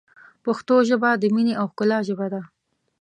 پښتو ژبه ، د مینې او ښکلا ژبه ده.